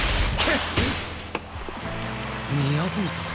宮澄さん